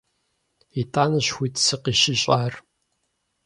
ИтӀанэщ хуит сыкъыщищӀар.